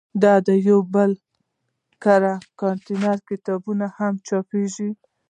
د ده یو بل کره کتنیز کتاب هم چاپېږي.